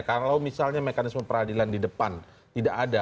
kalau misalnya mekanisme peradilan di depan tidak ada